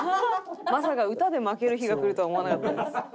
まさか歌で負ける日が来るとは思わなかったです。